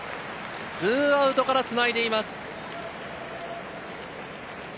２アウトからつないでいます。